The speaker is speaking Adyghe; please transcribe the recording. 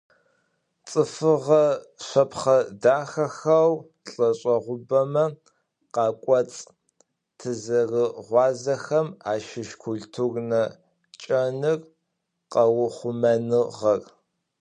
Цӏыфыгъэ шэпхъэ дахэхэу лӏэшӏэгъубэмэ къакӏоцӏ тызэрыгъуазэхэм ащыщ культурнэ кӏэныр къэухъумэгъэныр.